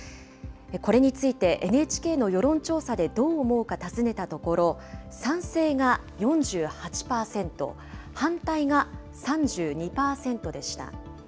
これについて、ＮＨＫの世論調査でどう思うか尋ねたところ、賛成が４８％、反対が３２％でした。